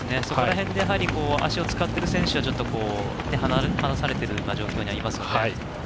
そこら辺で、足を使ってる選手は離されている状況になりますね。